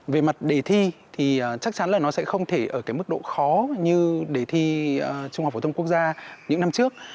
về mặt đề thi thì chắc chắn là nó sẽ không thể ở cái mức độ khó như đề thi trung học phổ thông quốc gia những năm trước